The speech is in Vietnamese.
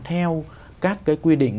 theo các cái quy định